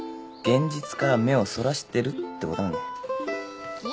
現実から目をそらしてるってことなんだ。